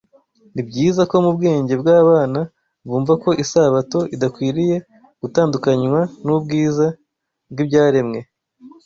Ni byiza ko mu bwenge bw’abana bumva ko Isabato idakwiriye gutandukanywa n’ubwiza bw’ibyaremwe